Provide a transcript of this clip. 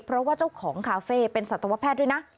เพราะว่าเจ้าของคาเฟ่เป็นสัตวแพทย์ด้วยนะ